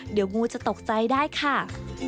เดี๋ยวงูจะตกใจได้ค่ะ